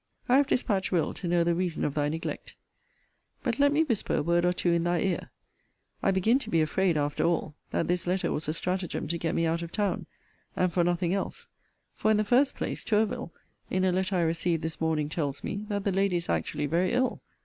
I have dispatched Will. to know the reason of thy neglect. But let me whisper a word or two in thy ear. I begin to be afraid, after all, that this letter was a stratagem to get me out of town, and for nothing else: for, in the first place, Tourville, in a letter I received this morning, tells me, that the lady is actually very ill!